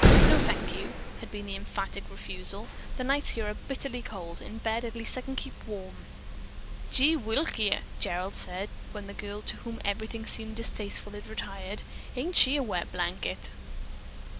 "No, thank you!" had been the emphatic refusal. "The nights here are bitterly cold. In bed at least I can keep warm." "Gee whiliker," Gerald said when the girl to whom everything seemed distasteful had retired. "Ain't she a wet blanket?"